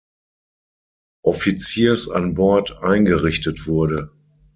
Offiziers an Bord eingerichtet wurde.